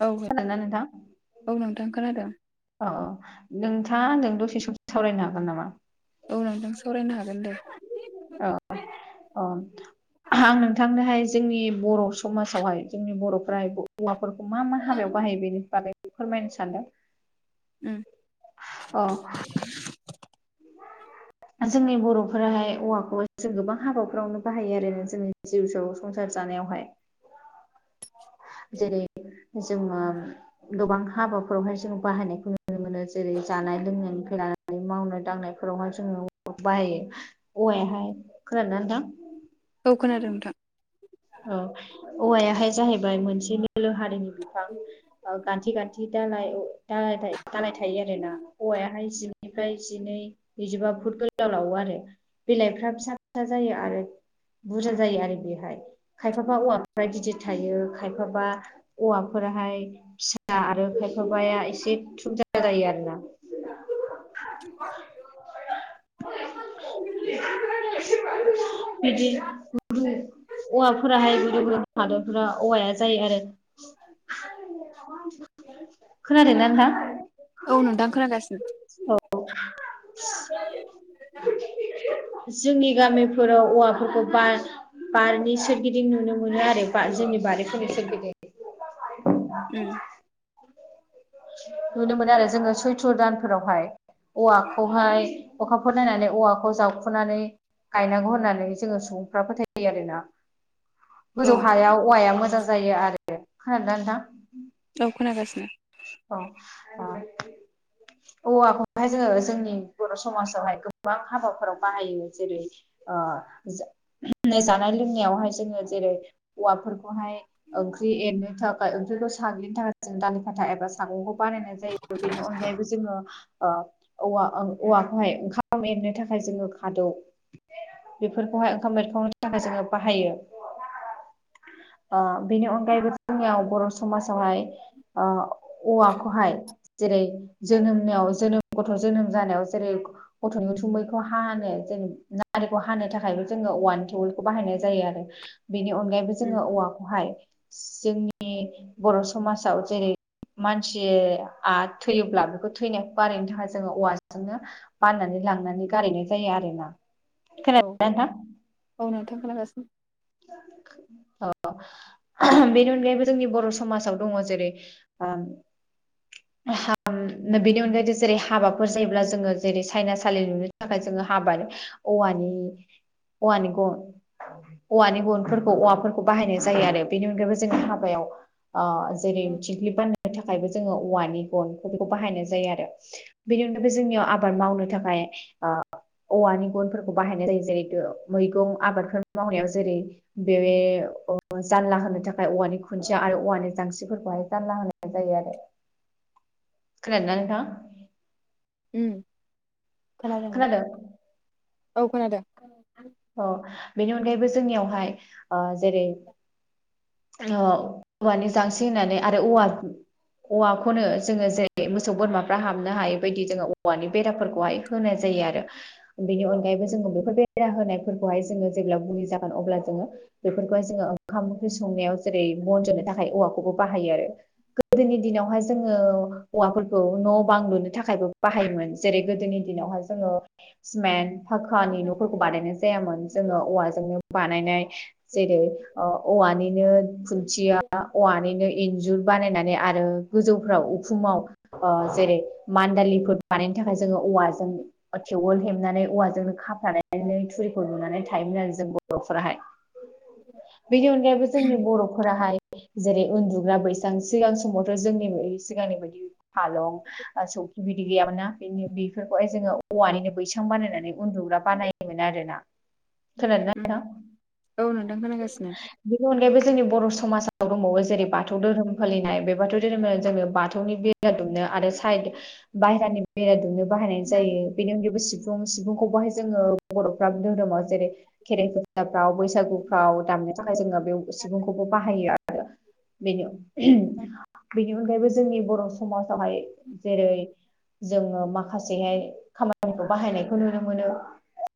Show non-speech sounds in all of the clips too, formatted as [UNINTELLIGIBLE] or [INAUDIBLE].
औ औ नोंथां खोनादों। औ नोंथाङा आंजों दसे सम सावरायनो हागोन नामा? औ नोंथां सावरायनो हागोन दे। औ अ आं नोंथांनोहाय जोंनि बर' समाजावहाय जोंनि बर'फ्रा हौवाफोरखौ मा मा हाबायाव बाहायो बेनि बागै फोरमायनो सानदों। उम अ जोंनि बर'फोराहाय औवाखौ जों गोबां हाबाफोरावनो बाहायो आरो जोंङो जिउ जो संसार जानायावहाय [INAUDIBLE] जेरै जोंङो गोबां हाबाफोरावहाय जों बाहायनायखौ नु नुनो मोनो जेरै जानाय लोंनायनिफ्राय लानानै मावनाय दांनायफोरावहाय औ बाहायो औवायाहाय खोनादोंना नोंथां? औ खोनादों नोंथां। औ औवायाहाय जाहैबाय मोनसे निलो हारिनि बिफां। गान्थि गान्थि दालाय दा- दालाय थायो आरोना। औवायाहाय जिबनिफ्राय जिनै नैजिबा फुट गोलाव लावो आरो। बिलाइफ्रा फिसा फिसा जायो आरो बुरजा जायो आरो बेहाय खायफाबा औवाफ्राय गिदिर थायो खायफाबा औवाफोराहाय फिसा आरो खायफाबाया एसे जायो आरोना। बिदि [UNINTELLIGIBLE] औवाफोराहाय गोदो गोद हादरफोरा औवाया जायो आरो। खोनादोंना नथां औ नोंथां खोनागासिनो औ [UNINTELLIGIBLE] जोंनि गामिफोराव औवाफोरखौ बारनि सोरगिदिं नुनो मोनो आरो जोंनि बारिफोरनि सोरगिदिं उम नुनो मोनो आरो जोङो सैथ्र' दानफोरावहाय औवाखौहाय अखा खौ नायनानै औवाखौ जावखुनानै गायनांगौ होननानै जोङो सुबुंफ्रा फोथायो आरोना। औ गोजौ हायाव औवाया मोजां जायो आरो खोनादोंना नोंथां औ खोनागासिनो औ आ औवाखौहाय जोङो जोंनि बर' समाजावहाय गोबां हाबाफोराव बाहायो जेरै जानाय लोंनायावहाय जोङो जेरै औवाफोरखौहाय ओंख्रि एरनो थाखाय ओंखखौ साग्लिनि थाखाय जों दालि खान्था एबा सागंखौ बानायनाय जायो बेनि अनगायैबो जोङो ओ औवा औवाखौहाय ओंखाम एरनो थाखाय जोङो खादौ बेफोरखौहाय ओंखाम बेरखांनो थाखाय जोङो बाहायो ओ बेनि अनगायैबो जोंनियाव बर' समाजावहाय ओ औवाखौहाय जेरै जोनोमनियाव जोनोम गथ' जोनोम जानायाव जेरै गथ'नि उथुमैखौ हानो जेन नारिखौ हानो थाखायबो जोङो औवानिन टेवेलखौ बाहायनाय जायो आरो बेनि अनगायैबो उम जोङो औवाखौहाय जोंनि बर' समाजाव जेरै मानसिया थैयोब्ला बेखौ थैनायखौ बानायनो थाखाय जोङो औवाजोंनो फाननानै लांनानै गारहैनाय जायो आरोना। औ खोनादोंना नोंथां? औ नोंथां खोनागासिनो अ बेनि अनगायैबो जोंनि बर' समाजाव दङ जेरै [UNINTELLIGIBLE] बेनि अनगायैबो जेरै हाबाफोर जायोब्ला जोङो जेरै साइनासालि नुनो थाखाय जोङो हाबानि औवानि औवानि गन औवानि गनफोरखौ औवाफोरखौ बाहायनाय जायो आरो बेनि अनगायैबो जोंनि हाबायाव जेरै थंख्लिब बाननो थाखायबो जोङो औवानि गनिखौ बेखौ बाहायनाय जायो आरो बेनि अनगायैबो जोंनियाव आबाद मावनो थाखाय ओ औवानि गुनफोरखौ बाहायनाय जायो जेरैथ' मैगं आबादफोर मावनायाव जेरै बे जानला होनो थाखाय औवानि खुन्थिया आरो औवानि जांस्रिफोरखौहाय जानला होनाय जायो आरो [INAUDIBLE] खोनादोंना नोथां। उम खोनादों औ खोनादों। अ बेनि अनगायैबो जोंनियावहाय ओ जेरै औवानि जांसि होननानै आरो औवा औवाखौनो जोङो जेरै मोसौ बोरमाफ्रा हाबनो हायै बायदि जोङो औवानि बेराफोरखौहाय होनाय जायो आरो बेनि अनगायैबो जों बेफोर बेरा होनाय फोरखौहाय जोङो जेब्ला बुंनि जागोन अब्ला जोङो बेफोरखौहाय जोङो ओंखाम ओंख्रि संनायाव जेरै बन जनो थाखाय औवाखौबो बाहायो आरो। गोदोनि दिनावहाय जोङो औवाफोरखौ न' बां लुनो थाखायबो बाहायोमोन। जेरै गोदोनि दिनावहाय जोङो सिमेन्ट फाखानि न'फोरखौ बानायनाय जा यामोन जोङो औवाजोंनो बानायनाय जेरै औवानिनो खुन्थिया औवानिनो इन्जुर बानायनानै आरो गोजौफ्राव उखुमाव जेरै मानदालिफोर बानायनो थाखाय जोङो औवाजों टेवोल हेबनानै औवाजोंनो खाफ्रानानै थुरिखौ थायोमोन आरो जों बर'फोराहाय बेनि अनगायैबो जोंनि बर'फोराहाय जेरै उन्दुग्रा बैसां सिगां समावथ' जोंनि सिगांनि बायदि फालं सौखि बिदि गैयामोन ना बेफोरखौहाय जोङो औवानिनो बैसां बानायनानै उन्दुग्रा बानायोमोन आरोना। उम खोनादोंना नोंथां औ नोंथां खोनागासिनो बेनि अनगायैबो जोंनि बर' समाजा दंबावो जेरै बाथौ धोरोम फालिनाय बे बाथौ धोरोमा जोङो बाथौनि बेरा दुमनो आरो साइड बायहेरानि बेरा दुमनो बाहायनाय जायो बेनि उनगायैबो सिफुं सिफुंखौबोहाय जोङो बर' बाथौ धोरोमाव जेरै खेराइ फुजाफ्राव बैसागुफ्राव दामनाय थाखाय जोङो बे सुबुंखौबो बाहायो आरो बेनि बेनि अनगायैबो जोंनि बर' समाजावहाय जेरै जोङो माखासेहाय खामानिखौ बाहायनायखौ नुनो मोनो।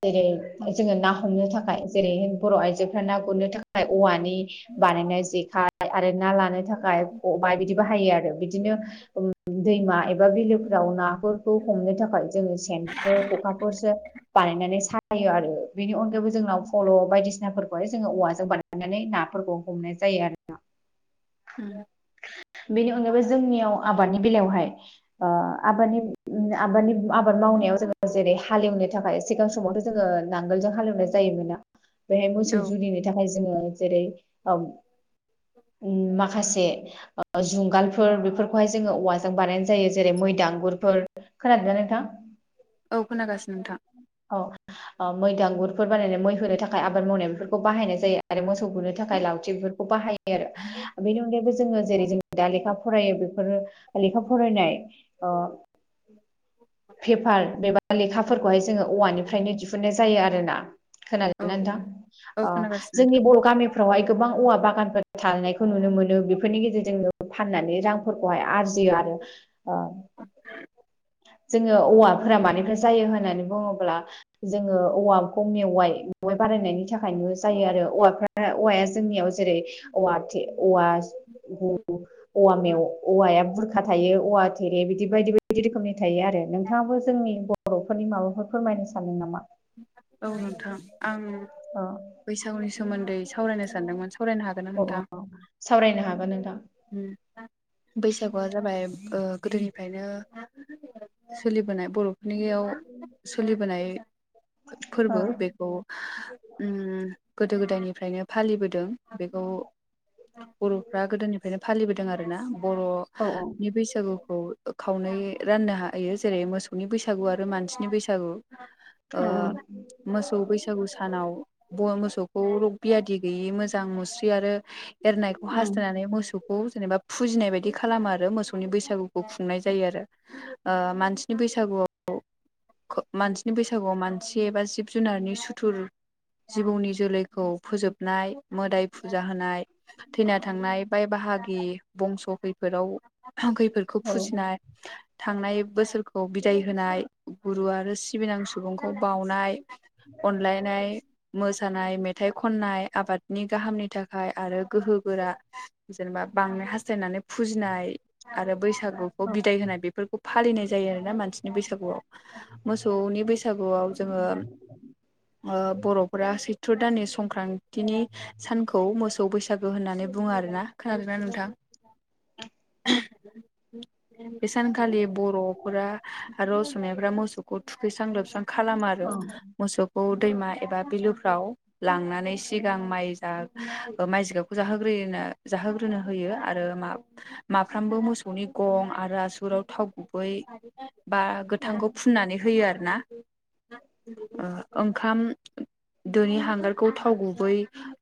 जेरै जोङो ना हमनो थाखाय जेरै बर' आइजोफ्रा ना गुरनो थाखाय औवानि बानायनाय जेखाय आरो ना लानो थाखाय खबाइ बिदि बाहायो आरो बिदिनो ओ दैमा एबा बिलोफोराव नाफोरखौ हमनो थाखाय जोङो सेनफोर खखाफोरसो बानायनानै सायो आरो बेनि अनगायैबो जोंनाव फल' बायदिसिनाफोरखौहाय जोङो औवाजों बानायनानै नाफोरखौ हमनाय जायो आरो ना। उम बेनि अनगायै जोंनियाव आबादनि बेलायावहाय आ आबादनि आबादनि आ आबाद मावनायाव जोङो जेरै हालेवनो थाखाय सिगां समावथ' जोङो नांगोलजों हालेवनाय जायोमोनना? बेहाय औ मोसौ जुरिनो थाखाय जोङो जेरै ओम माखासे जुंगालफोर बेफोर खौहाय जोङो औवाजों बानायनाय जायो जेरै मैदांगुरफोर खोनादोंना नोंथां? औ खोनागासिनो नोंथां। औ मैदांगुरफोर बानायनानै मै होनो थाखाय आबाद मावनाय बेफोरखौ बाहायनाय जायो। आरो मोसौ बुनो थाखाय लावथि बेफोरखौ बाहायो आरो बेनि अनगायैबो जोङो जेरै जों दा लेखा फरायो बेफोरो लेखा फरायनाय ओ फेपार बेबा लेखाफोरखौहाय जोङो औवानिफ्रायनो दिहुनन्नाय जायो आरो ना। औ खोनादोंना औ नोंथां खोनागासिनो जोंनि नोंथां बर' गामि फावहाय गोबां औवा बागानफोर थानायखौ नुनो मोनो बेफोरनि गेजेरजोंनो फाननानै रां फोरखौहाय आरजियो आरो ओ जोङो औवाफोरा मानिफ्राय जायो होननानै बुङोब्ला जोङो औवाखौ मेवाय मेवाय बारायनायनि थाखायनो जायो आरो औवाफ्रा औवाया जोंनियाव जेरै औवा थे औवा औवा मेवा औवाया बुरखा थायो औवा थेरे बिदि बायदि बायदि रोख खोमनि थायो आरो नोंथाङाबो जोंनि बर'फोरनि माबाफोर फोरमायनो सानदों नामा? औ नोंथां आं अ बैसागुनि सोमोन्दै सावरायनो सा सानदोंमोन सावरायनो हागोन ना अ अ नोंथां? सावरायनो हागोन नोंथां। बैसागुआ जाबाय गोदोनिफ्रायनो सोलिबोनाय बर'फोरनियाव सोलिबोनाय फोरबो बे खौ उम गोदो गोदायनिफ्रायनो फालिबोदों। बेखौ बर'फ्रा गोदोनिफ्रायनो फालिबोदों आरोना बर' औ नि बैसागुखौ खावनै राननो हायो जेरै मोसौनि बैसागु आरो मानसि नि बैसागु ओ मोसौ बैसागु सानाव मोसौखौ रग बियादि गैयि मोजां मुस्रि आरो एरनायखौ हास्थायनानै मोस सौखौ जेनेबा फुजिनाय बायदि खालामो आरो मोसौनि बैसागुखौ खुंनाय जायो आरो ओ मानसिनि बैसागुआव ख मानसिनि बैसागुआव मानसि एबा जिब जुनारनि सुथुर जिबौनि जोलैखौ फोजोबनाय मोदाय फुजा होनाय। थैना थांनाय बाय बाहागि बंस' खैफोदाव खैफोदखौ औ फुजिनाय [INAUDIBLE] थांनाय बोसोरखौ बिदाय होनाय गुरु आरो सिबिनां सुबुंखौ बावनाय। [INAUDIBLE] अनलायनाय मोसानाय मेथाइ खननाय आबादनि गाहामनि थाखाय आरो गोहो गोरा जेनेबा बांनाय हास्थायनानै फुजिनाय आरो बैसागुखौ औ बिदाय होनाय बेफोरखौ फालिनाय जायो आरोना मानसिनि बैसागुआव मोसौनि बैस सागुआव जोङो ओ बर'फोरा सैथ्र' दाननि संक्रान्तिनि सानखौ मोसौ बैसागु होननानै बुङो आरो ना? खोनादोंना नोंथां? बे सानखालि बर'फोरा आरो असमियाफोरा मोसौखौ थुखैस्रां लोबस्रां खालामो आरो मोसौखौ दैमा एबा बिलोफ्राव लांनानै सिगां माइ जा ओ माइ जिगाबखौ जाहोग्रोयोनो। जाहोग्रोनो होयो आरो मा माफ्रोमबो मोसौनि गं आरो आसुगुराव थाव गुबै बा औ गोथांखौ फु फुननानै होयो आरो ना ओ ओंखाम दोनि हांगारखौ थाव गुबै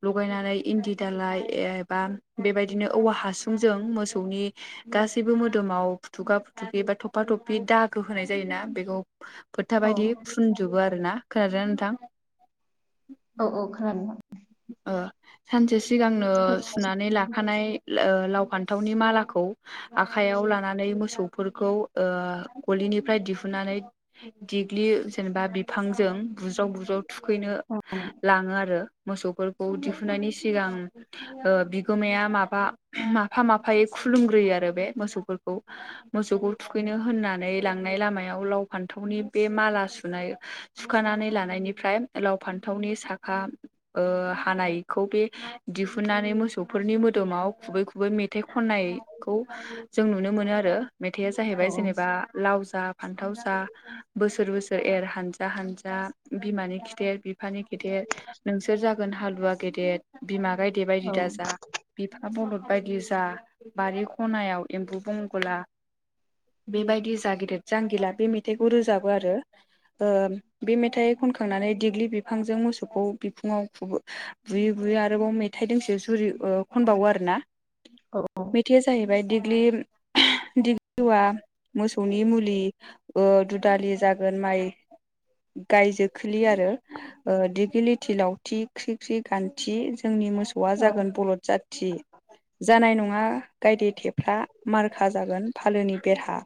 लगायनानै इन्दि दालाय एबा बेबायदिनो औवा हासुंजों मोसौनि गासैबो मोदोमाव फुथुगा फुथुखि बा थफा थफि दागो होनाय जायो ना बेखौ फोथा औ बादि फुनजोबो आरोना खोनादोंना नोंथां? औ औ खोनादो नोंथां। ओ सानसे सिगांनो सुनानै लाखानाय लो लाव फान्थावनि मालाखौ आखाइयाव लानानै मोसौफोरखौ ओ गलिनिफ्राय दिहुननानै देग्लि जेनेबा बिफांजों बुज्राव बुज्राव थुखैनो औ लाङो आरो मोसौफोरखौ दिहुननायनि सिगां ओ बिगोमाया माबा माफा माफायै खुलुमग्रोयो आरो बे मोसौफोरखौ। मोसौखौ थुखैनो होननानै लांनाय लामायाव लाव फान्थावनि बे माला सुनाय सुखानानै लानायनिफ्राय लाव फान्थावनि साखा ओ हानायखौ बे दिहुननानै मोसौफोरनि मोदोमाव खुबै खुबै मेथाइ खननाय खौ जों नुनो मोनो आरो मेथाइया औ जाहैबाय जेनेबा लाव जा फान्थाव जा बोसोर बोसोर एर हानजा हानजा बिमानि खिथेर बिब फानि खिथेर नोंसोर जागोन हालुवा गेदेर बिमा गायदे बायदि औ दाजा बिफा बरलद बायदि जा बारि खनायाव एम्बु बंगला बेबायदि जा गिदिद जांगिला बे मे थाइखौ रोजाबो आरो ओ बे मेथाइ खनखांनानै दिग्लि बिफांजों मोसौखौ बि खुङाव खुबो बुयै बुयै आरोबाव मेथाइ दोंसे जुरि ओ खनबावो आरोना? मेथाइया जाहैबाय दिग लिम दिगलिवा मोसौनि मुलि। ओ दुदालि जागोन माइ गाय जोखोलि आरो। ओ दिगिलिथ थि लावथि ख्रि ख्रि गान्थि जोंनि मोसौआ जागोन बलद जाथि। जानाय नङा गायदे थेफ्रा मारखा जागोन फालोनि बेरहा।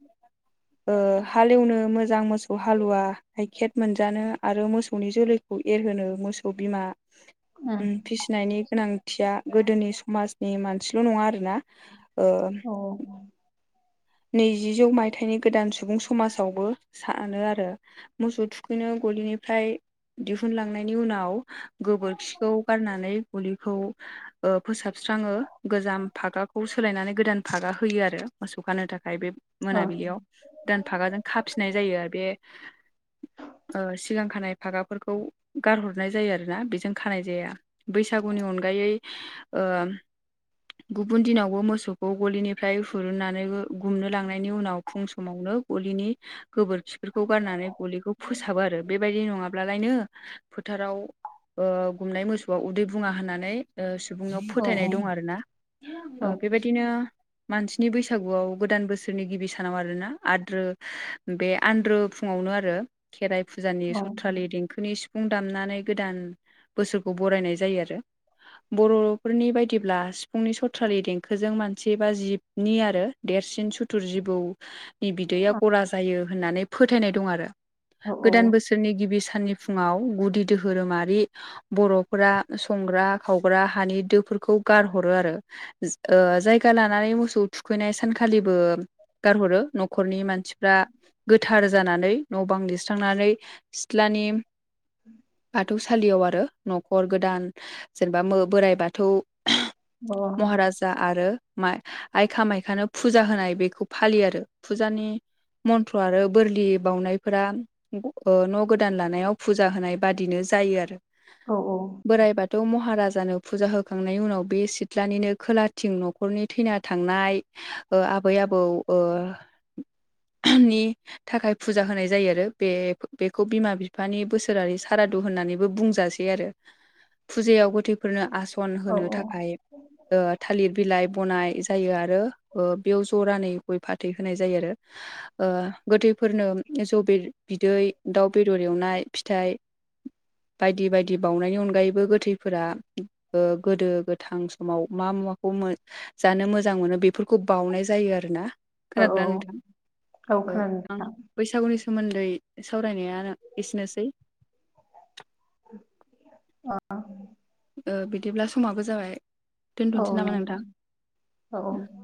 ओ हालेवनो मोजां मोसौ हालुवा गाइखेेर मोनजानो आरो मोसौनि जोलै खौ एरहोनो मोसौ बिमा उम फिसिनायनि गोनांथिया गोदोनि समाजनि मानसिल' नङा आरोना ओ औ। नैजिजौ मायथाइनि गोदान सुबुं समाजावबो सानो आरो। मोसौ थुखैनो गलिनिफ्राय दिहुनलांनायनि उनाव गोबोरखिखौ गारनानै गलिखौ ओ फोसाबस्राङो गोजाम फागाखौ सोलायनानै गोदान फागा होयो आरो मोसौ खानो थाखा खाय बे मोनाबिलियाव गोदानफागाजों खाफिननाय जायो आ बे ओ सिगां खानाय फागाफोरखौ गारहर नाय जायो आरोना बेजों खानाय जाया। बैसागुनि अनगायै गुबुन दिनावबो मोसौखौ गलिनिफ्राय हुरुननानैबो गुमनो लांनायनि उनाव फुं समावनो गलिनि गोबोरखि फोरखौ गारनानै गलिखौ फोसाबो आरो। बेबायदि नङाब्लालायनो फोथाराव ओ गुमनाय मोसौआ उदै बुङा होननानै ओ सुबुंनाव फोथायनाय दं आरोना। ओ बेबायदिनो मानसिनि बैसागुआव गोदान बोसोरनि गिबि सानाव आरोना आद्रो बे आन्द्रो फुङावनो आरो खेराइ फुजानि सथ्रालि देंखोनि सि फुं दामनानै गोदान बोसोरखौ बरायनाय जायो आरो। बर'फोरनि बायदिब्ला सिफुंनि सथ्रालि देंखोजों मानसि बा जिबनि आरो देरसिन सुथुर जिबौनि बिदैया गला जायो होननानै फोथायनाय दं आरो। गोदान बोसोरनि गिबि साननि फुङाव गुदि धोहोरोमारि बर'फोरा संग्रा खावग्रा हानि दोफोरखौ गारहरो आरो। ज ओ जायगा लानानै मोसौ थुखैनाय सानखालिबो गारहरो न'खरनि मानसिफ्रा गोथार जानानै न' बां लिरस्रांनानै सिथ्लानि उम बाथौसालियाव आरो न'खर गोदान जेनेबा मो बोराइ बाथौ। महाराजा आरो मा आय कामायखानो फुजा होनाय बेखौ फालियो आरो फुजानि मन्थ्र आरो बोरलि बाउनायफोरा नंगौ ओ न' गोदान लानायाव फुजा होनाय बादिनो जायो आरो। औ औ। बोराइ बाथौ महाराजानो फुजा होखांनायनि उनाव बे सिथ्लानिनो खोलाथिं न' खरनि थैना थांनाय ओ आबै आबौ ओ नि थाखाय फुजा होनाय जायो आरो। बे-बेखौ बिमा बिफानि बोसोरारि सारादु होननानैबो बुंजासै बे आरो फुजायाव गोथै फोरनो आसन होनो थाखाय थालिर बिलाइ बनाय जायो आरो ओ बेयाव जरानै गय फाथै होनाय जायो आरो। ओ गोथैफोरनो जौ बे बिदै दाउ बेदर एवनाय फिथाइ बायदि बायदि बाउनायनि अनगायैबो गोथैफोरा ओ गोदो गोथां समाव मा मुवाखौ मो जानो मोजां मोनो बे फोरखौ बाउनाय जायो आरोना। औ खोनादोंना नोंथां? खोनादों ओ ओं। बैसागुनि सोमोन्दै सावरायनाया आ एसेनोसै। अ। ओ बिदिब्ला समाबो जाबाय औ दोनथ'नोसै नामा नोंथां अ औ